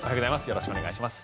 よろしくお願いします。